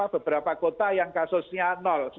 beberapa kota yang kasusnya nol